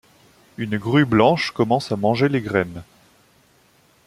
Une grue blanche commence à manger les graines.